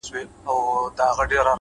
پوه انسان د غرور بار نه وړي’